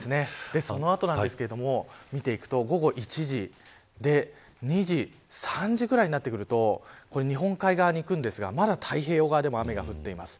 その後なんですけど見ていくと午後１時、２時、３時ぐらいになってくると日本海側に行くんですがまだ太平洋側でも雨が降っています。